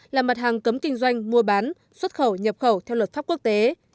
là mặt hàng cấm kinh doanh mua bán xuất khẩu nhập khẩu theo luật pháp quốc tế